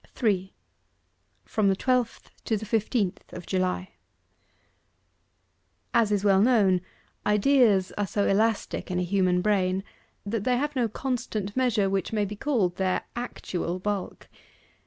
3. FROM THE TWELFTH TO THE FIFTEENTH OF JULY As is well known, ideas are so elastic in a human brain, that they have no constant measure which may be called their actual bulk.